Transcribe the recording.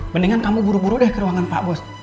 mendingan kamu buru buru deh ke ruangan pak bos